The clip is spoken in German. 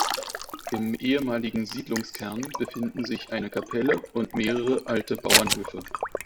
Im ehemaligen Siedlungskern befinden sich eine Kapelle und mehrere alte Bauernhöfe.